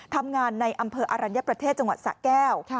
ทำงานในอำเภออรัญญประเทศจังหวัดสะแก้ว